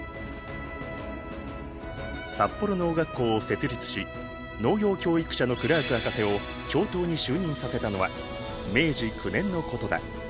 札幌農学校を設立し農業教育者のクラーク博士を教頭に就任させたのは明治９年のことだ。